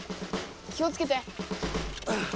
気をつけて！